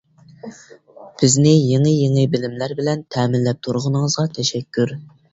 بىزنى يېڭى-يېڭى بىلىملەر بىلەن تەمىنلەپ تۇرغىنىڭىزغا تەشەككۈر!